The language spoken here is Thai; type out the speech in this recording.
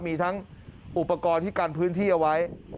มีทั้งอุปกรณ์ที่กันพื้นที่เอาไว้